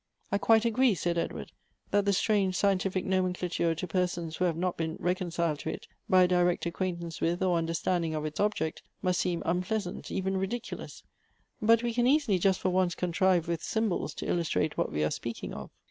" I quite agree," said Edward, " that the strange scien tific nomenclature, to persons who have not been recon ciled to it by a direct acquaintance with or understanding of its object, must seem unpleasant, even ridiculous; but we can easily, just for once, contrive with symbols to illustrate what we are speaking of."